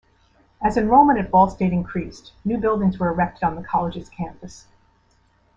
As enrollment at Ball State increased, new buildings were erected on the college's campus.